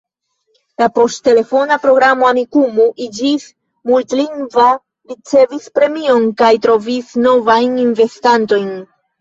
La poŝtelefona programo Amikumu iĝis multlingva, ricevis premion kaj trovis novajn investantojn.